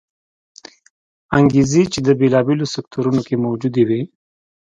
انګېزې چې د بېلابېلو سکتورونو کې موجودې وې